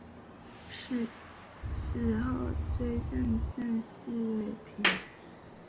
死后追赠正四位品秩。